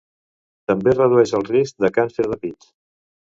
També redueix el risc de càncer de pit.